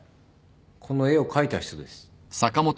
この絵を描いた人です。